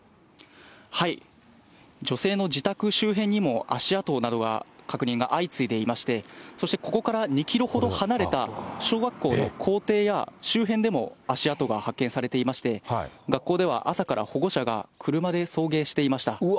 女性の自宅周辺にも、足跡などが確認が相次いでいまして、そしてここから２キロほど離れた小学校の校庭や周辺でも足跡が発見されていまして、学校では朝から保護者が車で送迎していました。